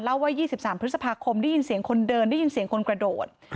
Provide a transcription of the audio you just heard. ว่า๒๓พฤษภาคมได้ยินเสียงคนเดินได้ยินเสียงคนกระโดด